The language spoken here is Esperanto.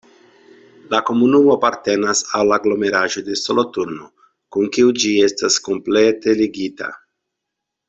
La komunumo apartenas al la aglomeraĵo de Soloturno, kun kiu ĝi estas komplete ligita.